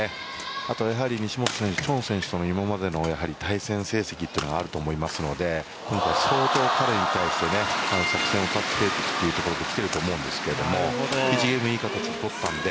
あと西本選手、チョン選手との今までの対戦成績というのがあると思いますので今回、相当彼に対して作戦を立ててきていると思うんですが１ゲームいい形でとったので、